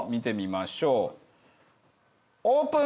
オープン！